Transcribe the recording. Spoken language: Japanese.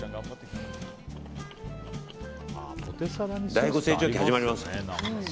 第５成長期、始まります。